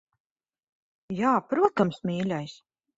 Jā, protams, mīļais.